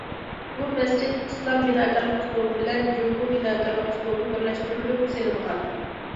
بۇ مەسچىت ئىسلام بىناكارلىق ئۇسلۇبى بىلەن جۇڭگو بىناكارلىق ئۇسلۇبى بىرلەشتۈرۈلۈپ سېلىنغان.